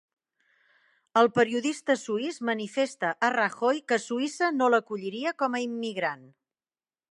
El periodista suís manifesta a Rajoy que Suïssa no l'acolliria com a immigrant